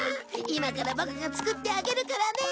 今からボクが作ってあげるからね！